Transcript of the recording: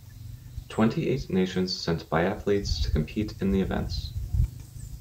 Twenty-eight nations sent biathletes to compete in the events.